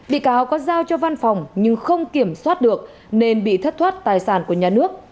bị cáo có giao cho văn phòng nhưng không kiểm soát được nên bị thất thoát tài sản của nhà nước